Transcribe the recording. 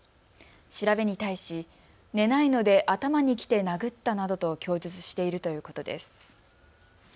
調べに対し寝ないので頭にきて殴ったなどと供述しているということです。